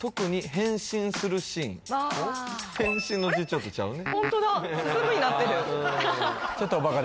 「変進」の字ちょっとちゃうねあれ？